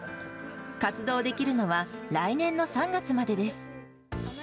活動できるのは来年の３月までです。